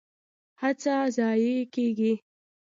هڅه ضایع کیږي؟